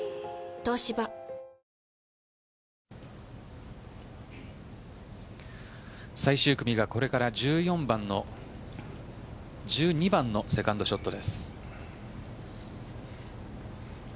東芝最終組がこれから１２番のセカンドショットです。